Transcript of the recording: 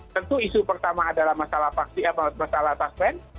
tentu isu pertama adalah masalah taspen